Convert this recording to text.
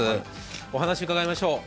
お話を伺いましょう。